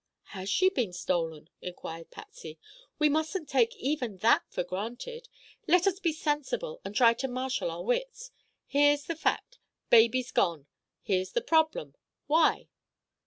"Has she been stolen?" inquired Patsy. "We mustn't take even that for granted. Let us be sensible and try to marshal our wits. Here's the fact: baby's gone. Here's the problem: why?"